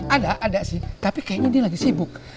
ada ada sih tapi kayaknya dia lagi sibuk